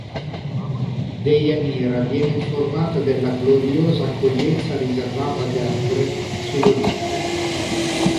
Deianira viene informata della gloriosa accoglienza riservata ad Ercole sull'Olimpo.